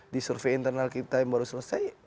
disurvei internal kita yang baru selesai